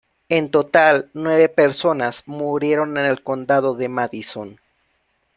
En total, nueve personas murieron en el condado de Madison.